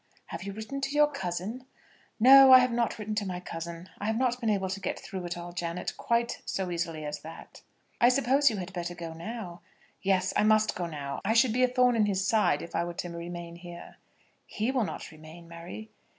"Have you written to your cousin?" "No I have not written to my cousin. I have not been able to get through it all, Janet, quite so easily as that." "I suppose you had better go now." "Yes; I must go now. I should be a thorn in his side if I were to remain here." "He will not remain, Mary."